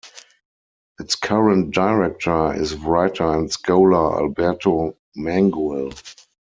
Its current director is writer and scholar Alberto Manguel.